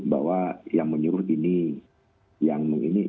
bahwa yang menyerahkan kita adalah orang yang berada di depan kami